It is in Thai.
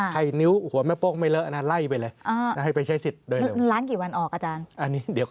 ใครนิ้วหัวแม่โป้งไม่เลอะอันนั้นไล่ไปเลย